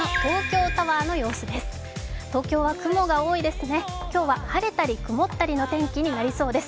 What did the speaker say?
東京は雲が多いですね、今日は晴れたり曇ったりの天気になりそうです。